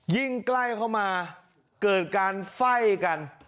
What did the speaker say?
ยิ่งใกล้เข้ามาเกิดการไฟ่กัน